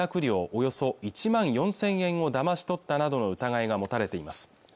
およそ１万４０００円をだまし取ったなどの疑いが持たれています